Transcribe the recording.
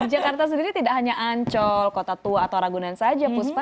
jakarta sendiri tidak hanya ancol kota tua atau ragunan saja puspa